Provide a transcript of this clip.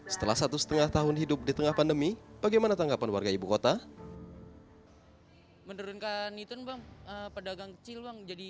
setelah satu setengah tahun hidup di tengah pandemi bagaimana tanggapan warga ibu kota